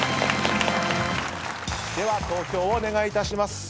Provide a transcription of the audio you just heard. では投票をお願いいたします。